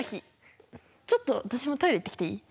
ちょっと私もトイレ行ってきていい？